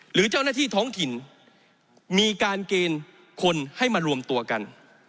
หรือเจ้าหน้าที่ท้องถิ่นมีการเกณฑ์คนให้มารวมตัวกัน